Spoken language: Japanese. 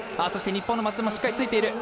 日本の松田もしっかりついている。